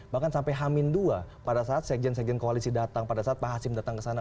bahkan sampai hamin dua pada saat sekjen sekjen koalisi datang pada saat pak hasim datang ke sana